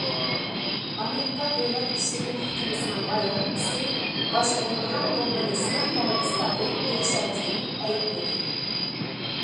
ئامېرىكا دۆلەت ئىشلىرى مەھكىمىسىنىڭ باياناتچىسى باشقۇرۇلىدىغان بومبىنى سىناق تەرىقىسىدە قويۇپ بېرىش ھەرىكىتىنى ئەيىبلىدى.